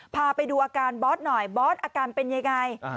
พาไปดูอาการบอสหน่อยบอสอาการเป็นยังไง